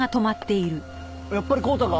やっぱり康太か？